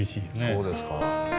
そうですか。